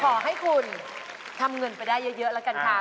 ขอให้คุณทำเงินไปได้เยอะแล้วกันค่ะ